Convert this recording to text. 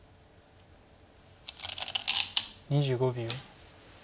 ２５秒。